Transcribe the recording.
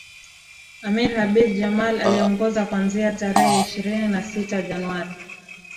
Amir Habib Jamal aliongoza kuanzia tarehe ishirini na sita Januari